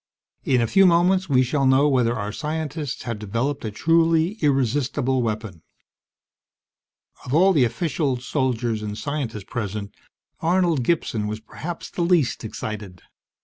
In a few moments we shall know whether our scientists have developed a truly irresistible weapon." Of all the officials, soldiers, and scientists present, Arnold Gibson was perhaps the least excited.